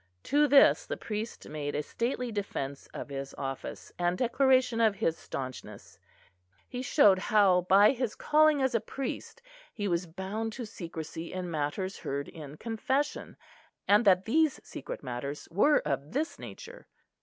To this the priest made a stately defence of his office, and declaration of his staunchness. He showed how by his calling as a priest he was bound to secrecy in matters heard in confession, and that these secret matters were of this nature.